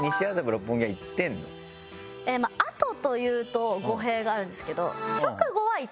まああとと言うと語弊があるんですけど。